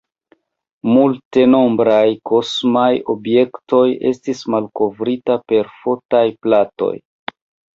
Multenombraj kosmaj objektoj estis malkovrita per fotaj platoj.